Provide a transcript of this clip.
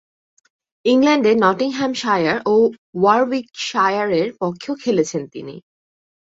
ইংল্যান্ডে নটিংহ্যামশায়ার ও ওয়ারউইকশায়ারের পক্ষেও খেলেছেন তিনি।